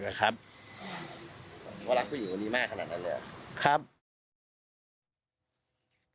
เพราะว่าคุณอยู่ดีมากขนาดนั้นเลย